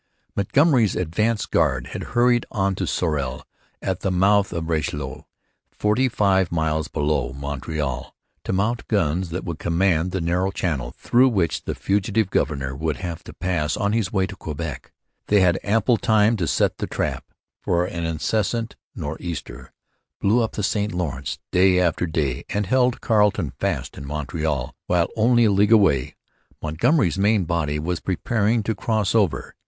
Montgomery's advance guard had hurried on to Sorel, at the mouth of the Richelieu, forty five miles below Montreal, to mount guns that would command the narrow channel through which the fugitive governor would have to pass on his way to Quebec. They had ample time to set the trap; for an incessant nor' easter blew up the St Lawrence day after day and held Carleton fast in Montreal, while, only a league away, Montgomery's main body was preparing to cross over.